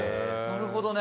「なるほどね」